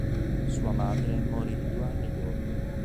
Sua madre morì due anni dopo.